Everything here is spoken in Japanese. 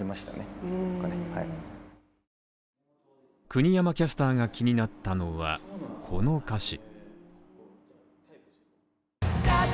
国山キャスターが気になったのは、この歌詞。